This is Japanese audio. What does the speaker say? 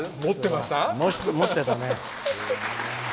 持ってたね。